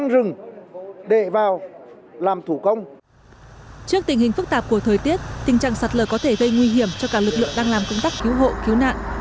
trước tình hình phức tạp của thời tiết tình trạng sạt lờ có thể gây nguy hiểm cho cả lực lượng đang làm công tác cứu hộ cứu nạn